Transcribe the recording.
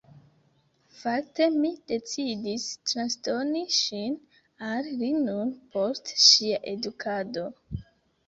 Fakte mi decidis transdoni ŝin al li nun post ŝia edukado.